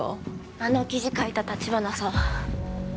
あの記事書いた橘さん